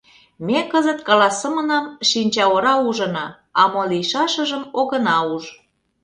Ме кызыт каласымынам шинчаора ужына, а мо лийшашыжым огына уж.